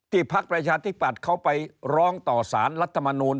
พักประชาธิปัตย์เขาไปร้องต่อสารรัฐมนูล